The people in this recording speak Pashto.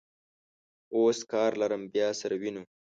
اوس کار لرم، بیا سره وینو.